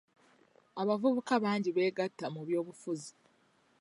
Abavubuka bangi beegatta mu by'obufuzi.